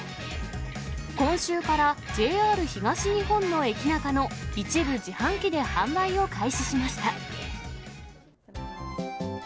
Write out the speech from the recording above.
今週からＪＲ東日本のエキナカの一部自販機で販売を開始しました。